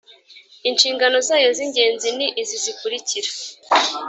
Inshingano zayo z ingenzi ni izi zikurikira